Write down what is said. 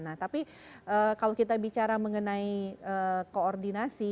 nah tapi kalau kita bicara mengenai koordinasi